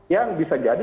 yang bisa jadi